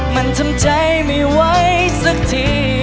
มันทำใจไม่ไหวสักที